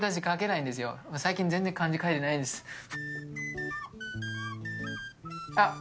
最近全然漢字書いてないんですあっ